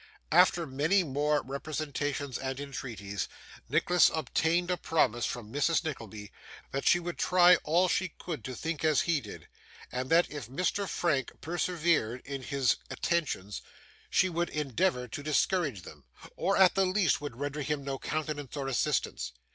After many more representations and entreaties, Nicholas obtained a promise from Mrs. Nickleby that she would try all she could to think as he did; and that if Mr. Frank persevered in his attentions she would endeavour to discourage them, or, at the least, would render him no countenance or assistance.